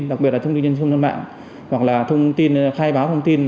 đặc biệt là thông tin doanh nhân trên không gian mạng hoặc là khai báo thông tin